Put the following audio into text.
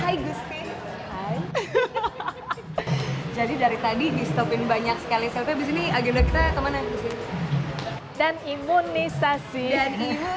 hai gusti hai jadi dari tadi di stopin banyak sekali selfie abis ini agenda kita kemana gusti